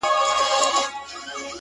او که يې اخلې نو آدم اوحوا ولي دوه وه ـ